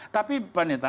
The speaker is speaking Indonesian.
tapi pak neta